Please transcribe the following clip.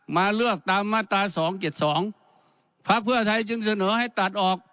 มาเลือกตามมาตราสองเจ็ดสองพักเพื่อไทยจึงเสนอให้ตัดออก